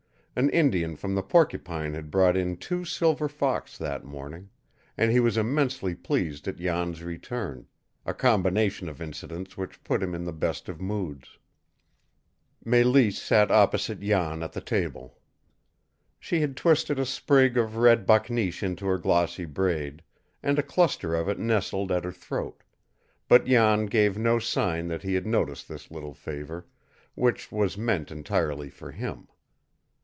An Indian from the Porcupine had brought in two silver fox that morning, and he was immensely pleased at Jan's return a combination of incidents which put him in the best of moods. Mélisse sat opposite Jan at the table. She had twisted a sprig of red bakneesh into her glossy braid, and a cluster of it nestled at her throat, but Jan gave no sign that he had noticed this little favor, which was meant entirely for him.